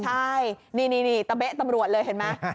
ใช่นี่ตะเบ๊ะตำรวจเลยเห็นไหม